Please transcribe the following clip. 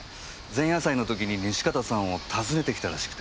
前夜祭の時に西片さんを訪ねて来たらしくて。